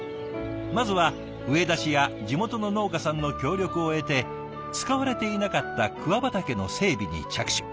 まずは上田市や地元の農家さんの協力を得て使われていなかった桑畑の整備に着手。